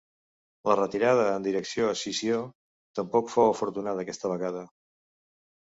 La retirada en direcció a Sició tampoc fou afortunada aquesta vegada.